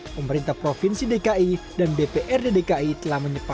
pemerintah provinsi dki dan dprd dki telah menyebutkan